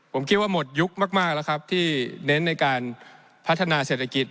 ผมคิดว่าหมดยุคมากแล้วครับที่เน้นในการพัฒนาเศรษฐกิจ